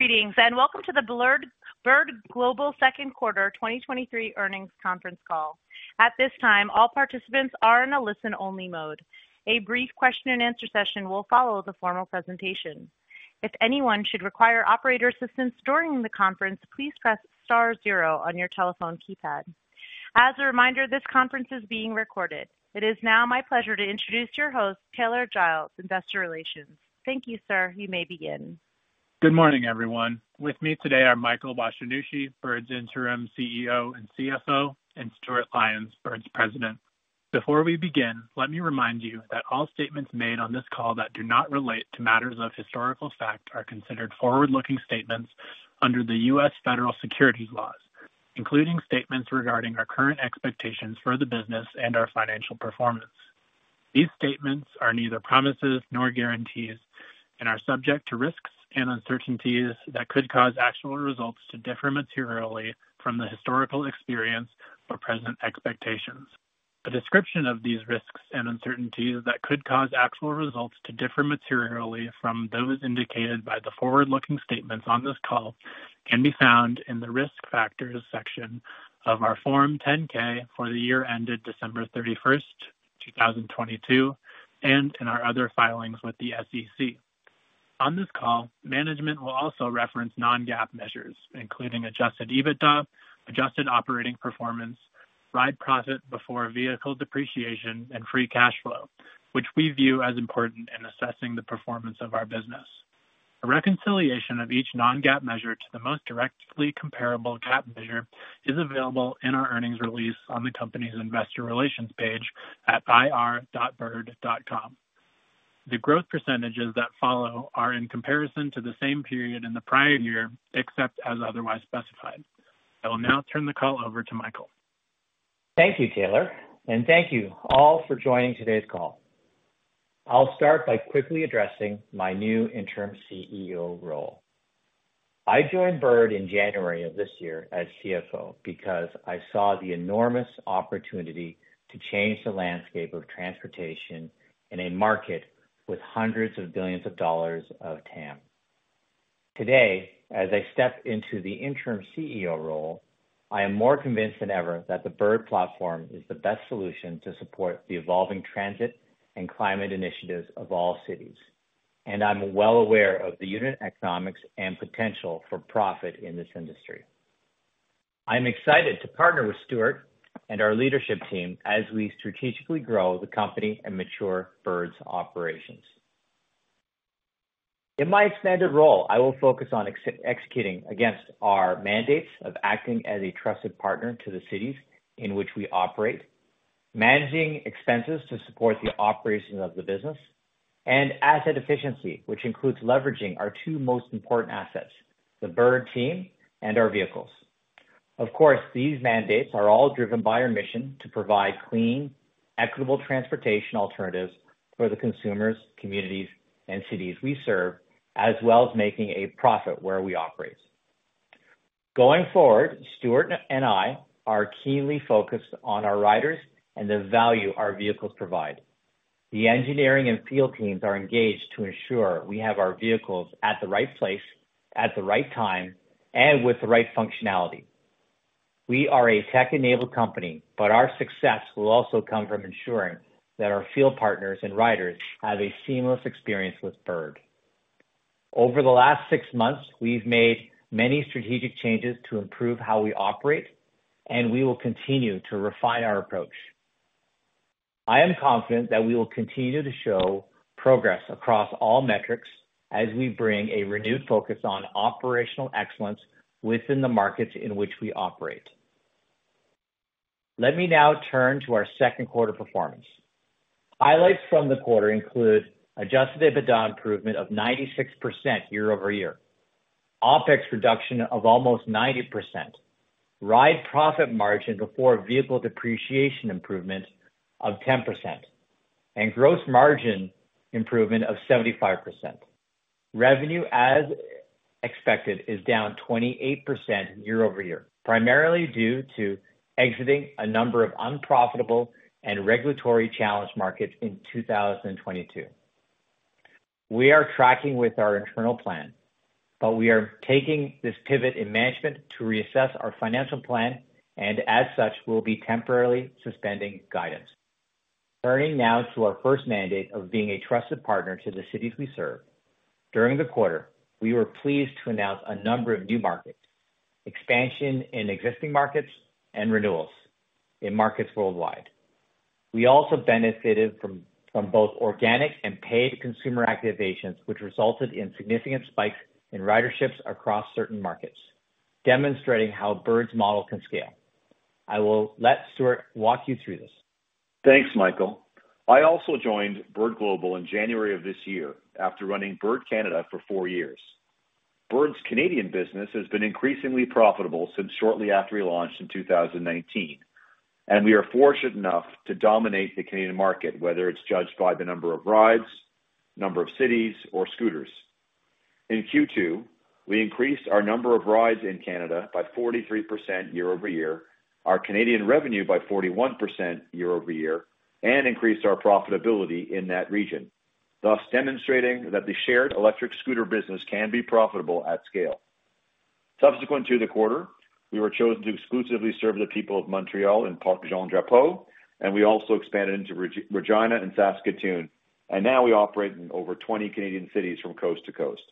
Greetings, welcome to the Bird, Bird Global Second Quarter 2023 Earnings Conference Call. At this time, all participants are in a listen-only mode. A brief question and answer session will follow the formal presentation. If anyone should require operator assistance during the conference, please press star zero on your telephone keypad. As a reminder, this conference is being recorded. It is now my pleasure to introduce your host, Taylor Giles, Investor Relations. Thank you, sir. You may begin. Good morning, everyone. With me today are Michael Washinushi, Bird's Interim CEO and CFO, and Stewart Lyons, Bird's President. Before we begin, let me remind you that all statements made on this call that do not relate to matters of historical fact are considered forward-looking statements under the U.S. Federal Securities laws, including statements regarding our current expectations for the business and our financial performance. These statements are neither promises nor guarantees and are subject to risks and uncertainties that could cause actual results to differ materially from the historical experience or present expectations. A description of these risks and uncertainties that could cause actual results to differ materially from those indicated by the forward-looking statements on this call can be found in the Risk Factors section of our Form 10-K for the year ended December 31st 2022, and in our other filings with the SEC. On this call, management will also reference non-GAAP measures, including adjusted EBITDA, adjusted operating performance, Ride Profit before Vehicle Depreciation, and Free Cash Flow, which we view as important in assessing the performance of our business. A reconciliation of each non-GAAP measure to the most directly comparable GAAP measure is available in our earnings release on the company's investor relations page at ir.bird.co. The growth percentages that follow are in comparison to the same period in the prior year, except as otherwise specified. I will now turn the call over to Michael. Thank you, Taylor, and thank you all for joining today's call. I'll start by quickly addressing my new interim CEO role. I joined Bird in January of this year as CFO because I saw the enormous opportunity to change the landscape of transportation in a market with hundreds of billions of dollars of TAM. Today, as I step into the interim CEO role, I am more convinced than ever that the Bird platform is the best solution to support the evolving transit and climate initiatives of all cities, and I'm well aware of the unit economics and potential for profit in this industry. I'm excited to partner with Stewart and our leadership team as we strategically grow the company and mature Bird's operations. In my extended role, I will focus on executing against our mandates of acting as a trusted partner to the cities in which we operate, managing expenses to support the operations of the business, and asset efficiency, which includes leveraging our two most important assets, the Bird team and our vehicles. Of course, these mandates are all driven by our mission to provide clean, equitable transportation alternatives for the consumers, communities, and cities we serve, as well as making a profit where we operate. Going forward, Stewart and I are keenly focused on our riders and the value our vehicles provide. The engineering and field teams are engaged to ensure we have our vehicles at the right place, at the right time, and with the right functionality. We are a tech-enabled company, but our success will also come from ensuring that our field partners and riders have a seamless experience with Bird. Over the last six months, we've made many strategic changes to improve how we operate, and we will continue to refine our approach. I am confident that we will continue to show progress across all metrics as we bring a renewed focus on operational excellence within the markets in which we operate. Let me now turn to our second quarter performance. Highlights from the quarter include adjusted EBITDA improvement of 96% year-over-year, OpEx reduction of almost 90%, Ride Profit Margin before Vehicle Depreciation improvement of 10%, and gross margin improvement of 75%. Revenue, as expected, is down 28% year-over-year, primarily due to exiting a number of unprofitable and regulatory challenged markets in 2022. We are tracking with our internal plan, but we are taking this pivot in management to reassess our financial plan, and as such, we'll be temporarily suspending guidance. Turning now to our first mandate of being a trusted partner to the cities we serve. During the quarter, we were pleased to announce a number of new markets, expansion in existing markets, and renewals in markets worldwide. We also benefited from both organic and paid consumer activations, which resulted in significant spikes in riderships across certain markets, demonstrating how Bird's model can scale. I will let Stewart walk you through this. Thanks, Michael. I also joined Bird Global in January of this year after running Bird Canada for four years. Bird's Canadian business has been increasingly profitable since shortly after we launched in 2019. We are fortunate enough to dominate the Canadian market, whether it's judged by the number of rides, number of cities, or scooters. In Q2, we increased our number of rides in Canada by 43% year-over-year, our Canadian revenue by 41% year-over-year. We increased our profitability in that region, thus demonstrating that the shared electric scooter business can be profitable at scale. Subsequent to the quarter, we were chosen to exclusively serve the people of Montreal in Parc Jean-Drapeau. We also expanded into Regina and Saskatoon. Now we operate in over 20 Canadian cities from coast to coast.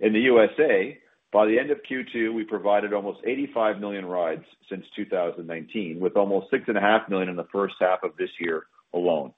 In the USA, by the end of Q2, we provided almost 85 million rides since 2019, with almost 6.5 million in the first half of this year alone.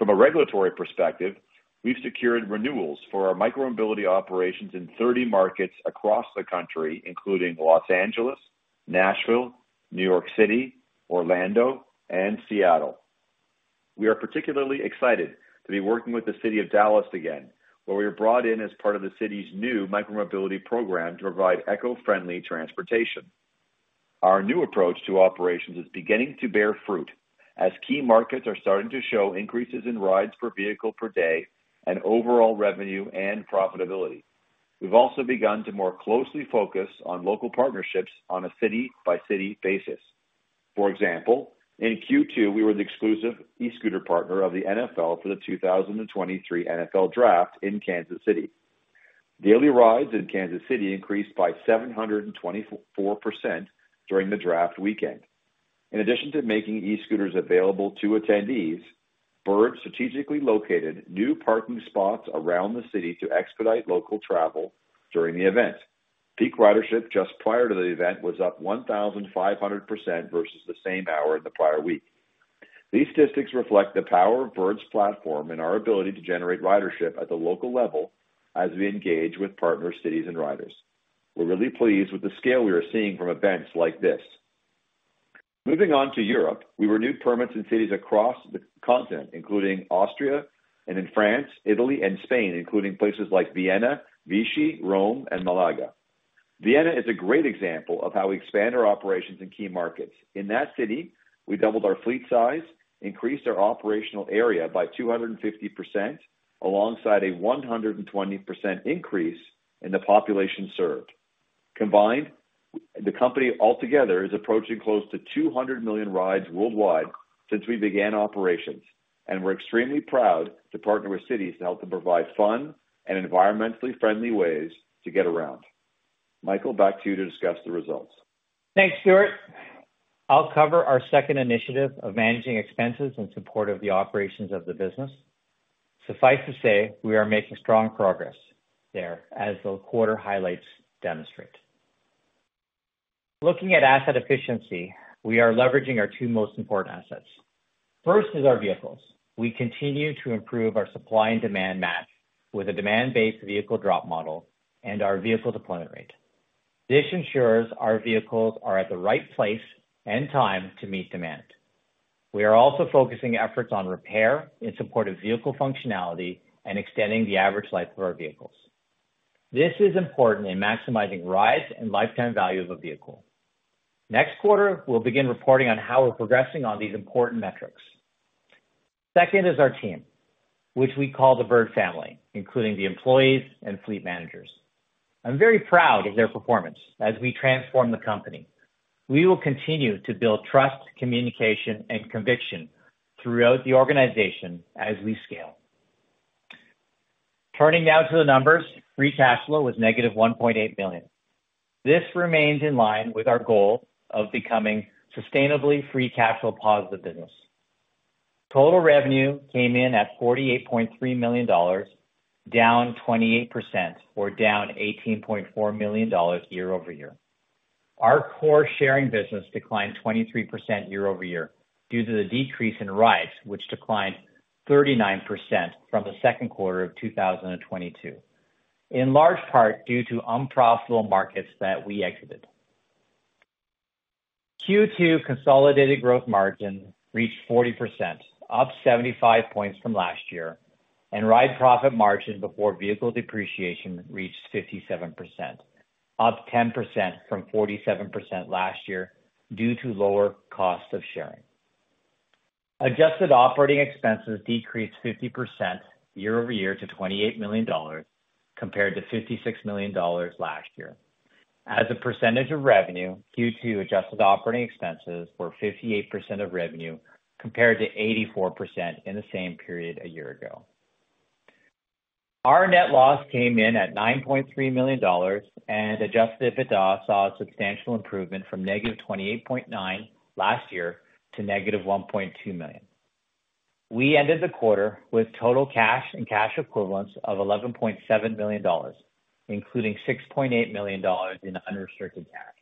From a regulatory perspective, we've secured renewals for our micromobility operations in 30 markets across the country, including Los Angeles, Nashville, New York City, Orlando, and Seattle. We are particularly excited to be working with the city of Dallas again, where we were brought in as part of the city's new micromobility program to provide eco-friendly transportation. Our new approach to operations is beginning to bear fruit, as key markets are starting to show increases in rides per vehicle per day and overall revenue and profitability. We've also begun to more closely focus on local partnerships on a city-by-city basis. For example, in Q2, we were the exclusive e-scooter partner of the NFL for the 2023 NFL Draft in Kansas City. Daily rides in Kansas City increased by 724% during the draft weekend. In addition to making e-scooters available to attendees, Bird strategically located new parking spots around the city to expedite local travel during the event. Peak ridership just prior to the event was up 1,500% versus the same hour the prior week. These statistics reflect the power of Bird's platform and our ability to generate ridership at the local level as we engage with partner cities and riders. We're really pleased with the scale we are seeing from events like this. Moving on to Europe, we renewed permits in cities across the continent, including Austria and in France, Italy, and Spain, including places like Vienna, Vichy, Rome, and Malaga. Vienna is a great example of how we expand our operations in key markets. In that city, we doubled our fleet size, increased our operational area by 250%, alongside a 120% increase in the population served. Combined, the company altogether is approaching close to 200 million rides worldwide since we began operations, and we're extremely proud to partner with cities to help them provide fun and environmentally friendly ways to get around. Michael, back to you to discuss the results. Thanks, Stewart. I'll cover our second initiatives of managing expenses in support of the operations of the business. Suffice to say, we are making strong progress there, as the quarter highlights demonstrate. Looking at asset efficiency, we are leveraging our two most important assets. First is our vehicles. We continue to improve our supply and demand match with a demand-based vehicle drop model and our vehicle deployment rate. This ensures our vehicles are at the right place and time to meet demand. We are also focusing efforts on repair in support of vehicle functionality and extending the average life of our vehicles. This is important in maximizing rides and lifetime value of a vehicle. Next quarter, we'll begin reporting on how we're progressing on these important metrics. Second is our team, which we call the Bird family, including the employees and fleet managers. I'm very proud of their performance as we transform the company. We will continue to build trust, communication, and conviction throughout the organization as we scale. Turning now to the numbers. Free Cash Flow was negative $1.8 billion. This remains in line with our goal of becoming sustainably Free Cash Flow positive business. Total revenue came in at $48.3 million, down 28% or down $18.4 million year-over-year. Our core sharing business declined 23% year-over-year due to the decrease in rides, which declined 39% from the second quarter of 2022, in large part due to unprofitable markets that we exited. Q2 consolidated growth margin reached 40%, up 75 points from last year, and Ride Profit Margin before Vehicle Depreciation reached 57%, up 10% from 47% last year, due to lower Cost of sharing. Adjusted Operating Expenses decreased 50% year-over-year to $28 million, compared to $56 million last year. As a percentage of revenue, Q2 Adjusted Operating Expenses were 58% of revenue, compared to 84% in the same period a year ago. Our net loss came in at $9.3 million, and adjusted EBITDA saw a substantial improvement from -$28.9 million last year to -$1.2 million. We ended the quarter with total cash and cash equivalents of $11.7 million, including $6.8 million in unrestricted cash.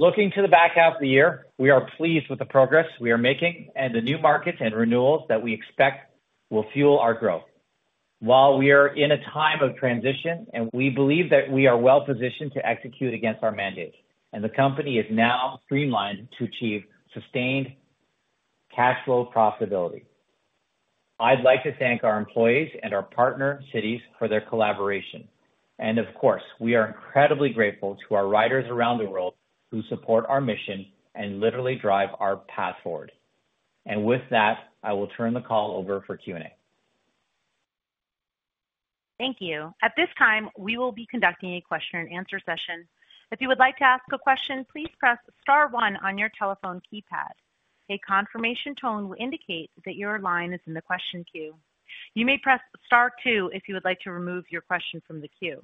Looking to the back half of the year, we are pleased with the progress we are making and the new markets and renewals that we expect will fuel our growth. While we are in a time of transition, and we believe that we are well positioned to execute against our mandate. The company is now streamlined to achieve sustained cash flow profitability. I'd like to thank our employees and our partner cities for their collaboration. Of course, we are incredibly grateful to our riders around the world who support our mission and literally drive our path forward. With that, I will turn the call over for Q&A. Thank you. At this time, we will be conducting a question and answer session. If you would like to ask a question, please press star one on your telephone keypad. A confirmation tone will indicate that your line is in the question queue. You may press star two if you would like to remove your question from the queue.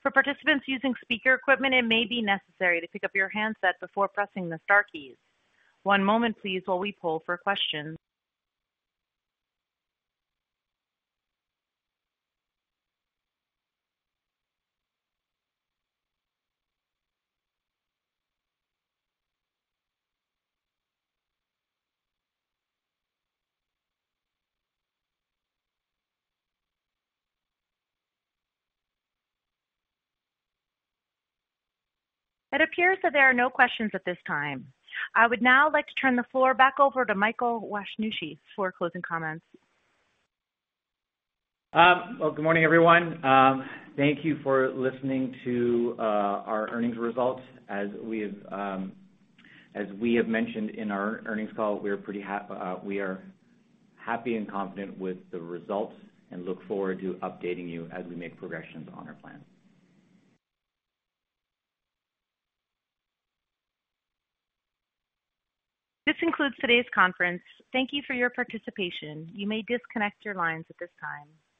For participants using speaker equipment, it may be necessary to pick up your handset before pressing the star keys. One moment, please, while we pull for questions. It appears that there are no questions at this time. I would now like to turn the floor back over to Michael Washinushi for closing comments. Well, good morning, everyone. Thank you for listening to our earnings result. As we have, as we have mentioned in our earnings call, we are happy and confident with the results and look forward to updating you as we make progressions on our plan. This concludes today's conference. Thank you for your participation. You may disconnect your lines at this time.